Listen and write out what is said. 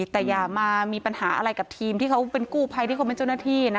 แต่อย่ามามีปัญหาอะไรกับทีมที่เขาเป็นกู้ภัยที่เขาเป็นเจ้าหน้าที่นะ